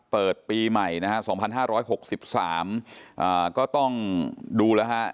เปิดปีใหม่นะฮะ๒๕๖๓ก็ต้องดูนะฮะ